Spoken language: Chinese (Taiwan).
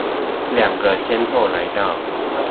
兩個先後來到